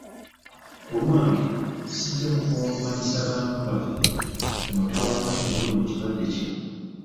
Kulwange, sijja kukoowa kumanyisa bantu baffe omutawaana oguli mu kirwadde kino.